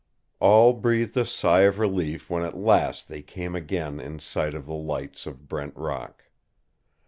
All breathed a sigh of relief when at last they came again in sight of the lights of Brent Rock.